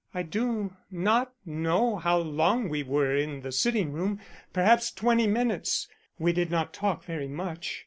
I do not know how long we were in the sitting room perhaps twenty minutes. We did not talk very much.